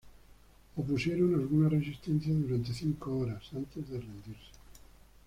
Opusieron alguna resistencia durante cinco horas antes de rendirse.